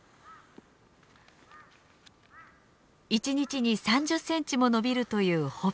１日に３０センチも伸びるというホップ。